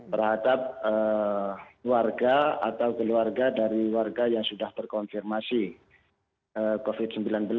terhadap warga atau keluarga dari warga yang sudah terkonfirmasi covid sembilan belas